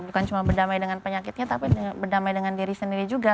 bukan cuma berdamai dengan penyakitnya tapi berdamai dengan diri sendiri juga